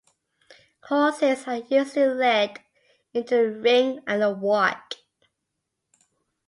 Horses are usually led into the ring at a walk.